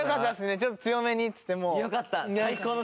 ちょっと強めにっつってもう。